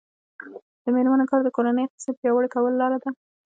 د میرمنو کار د کورنۍ اقتصاد پیاوړی کولو لاره ده.